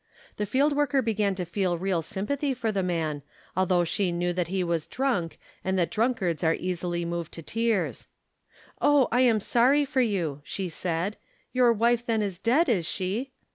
The field worker began to feel real sympathy for the man, although she knew that he was drunk and that drunkards are easily moved to tears. "Oh, I am sorry for you," she said; "your wife then is dead, is she?"